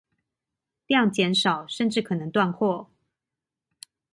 量減少甚至可能斷貨